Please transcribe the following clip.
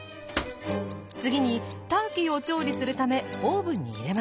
次にターキーを調理するためオーブンに入れました。